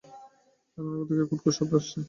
রান্নাঘর থেকে খুটখুট শব্দ আসছে।